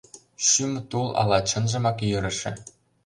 Шӱм тул ала чынжымак йӧрышӧ